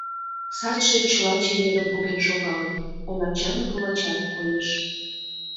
Садше чыла чеверым поген шогалын — олачан-вулачан коеш.